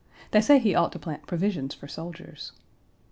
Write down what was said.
They say he ought to plant provisions for soldiers.